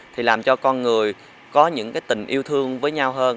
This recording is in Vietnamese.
thì làm cho con người có những cái tình yêu thương với nhau hơn